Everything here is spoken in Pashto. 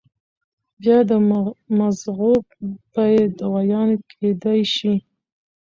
بيا د مزغو پۀ دوايانو کېدے شي